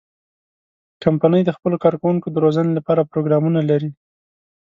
کمپنۍ د خپلو کارکوونکو د روزنې لپاره پروګرامونه لري.